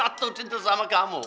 aku jatuh cinta sama kamu